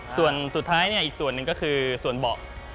ส่วนสุดท้ายอีกส่วนหนึ่งก็คือส่วนเบาะ